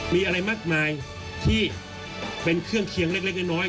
มีอะไรมากมายที่เป็นเครื่องเคียงเล็กน้อย